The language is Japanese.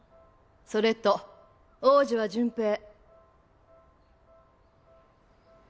それと王子は潤平。